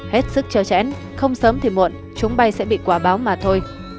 hết sức chờ chẽn không sớm thì muộn chúng bay sẽ bị quả báo mà thôi